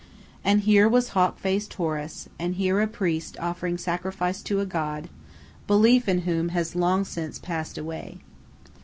And here was hawk faced Horus, and here a priest offering sacrifice to a god, belief in whom has long since passed away.